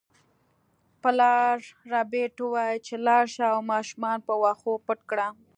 پلار ربیټ وویل چې لاړه شه او ماشومان په واښو پټ کړه